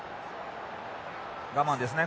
我慢ですね